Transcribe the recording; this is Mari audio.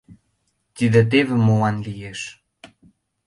Тиде теве молан лиеш.